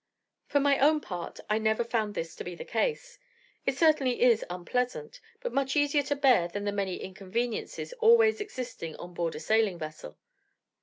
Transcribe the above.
For my own part, I never found this to be the case; it certainly is unpleasant, but much easier to bear than the many inconveniences always existing on board a sailing vessel.